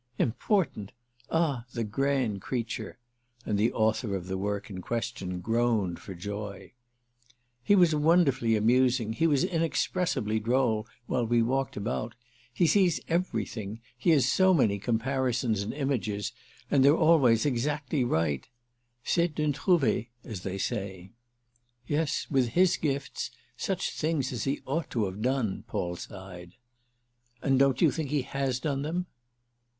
"Important! Ah the grand creature!"—and the author of the work in question groaned for joy. "He was wonderfully amusing, he was inexpressibly droll, while we walked about. He sees everything; he has so many comparisons and images, and they're always exactly right. C'est d'un trouvé, as they say." "Yes, with his gifts, such things as he ought to have done!" Paul sighed. "And don't you think he has done them?"